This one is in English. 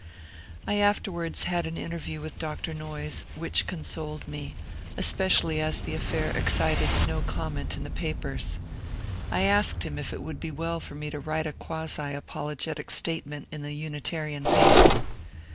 I afterwards had an interview with Dr. Noyes which con ^ soled me, especially as the affair excited no comment in the papers. I asked him if it would be well for me to write a quasi apologetic statement in the Unitarian paper.